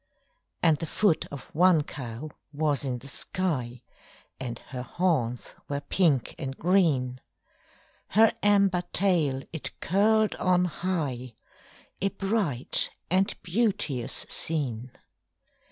And the foot of one cow was in the sky, And her horns were pink and green; Her amber tail it curled on high A bright and beauteous scene.